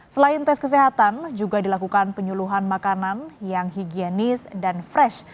selain tes kesehatan juga dilakukan penyuluhan makanan yang higienis dan fresh